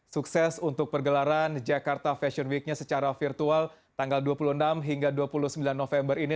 sukses untuk pergelaran jakarta fashion week nya secara virtual tanggal dua puluh enam hingga dua puluh sembilan november ini